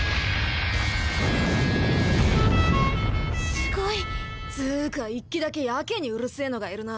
すごい！つうか１機だけやけにうるせぇのがいるな。